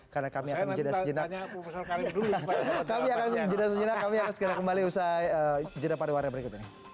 karena kami akan jeda sejenak